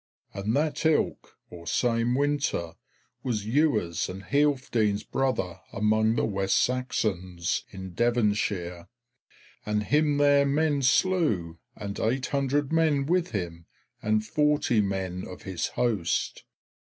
"And that ilk [same] winter was Iwer's and Healfdene's brother among the West Saxons in Devonshire; and him there men slew and eight hundred men with him and forty men of his host.